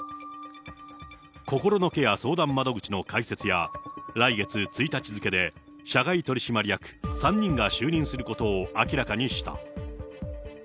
心のケア相談窓口の開設や、来月１日付で、社外取締役３人が就任することを明らかにした。